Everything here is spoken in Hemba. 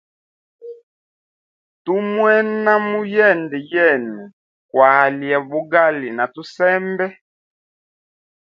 Tu mwena muyende yenu kwalya bugali na tusembe.